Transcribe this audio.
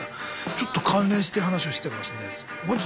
ちょっと関連してる話をしてたかもしれないです。